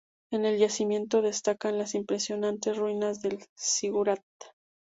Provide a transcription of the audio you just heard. En el yacimiento destacan las impresionantes ruinas del zigurat.